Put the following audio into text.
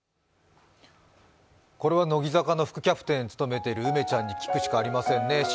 これは乃木坂の副キャプテンを務める梅ちゃんに聞くしかありませんね。